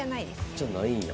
じゃないんや。